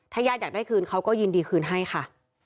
ญาติอยากได้คืนเขาก็ยินดีคืนให้ค่ะ